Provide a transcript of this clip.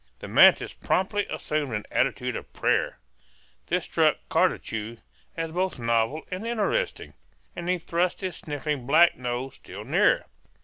The mantis promptly assumed an attitude of prayer. This struck Cartucho as both novel and interesting, and he thrust his sniffing black nose still nearer.